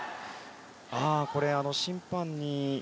審判に。